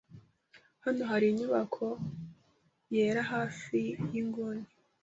Hano hari inyubako yera hafi yinguni.